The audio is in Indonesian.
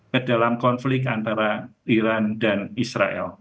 ke dalam konflik antara iran dan israel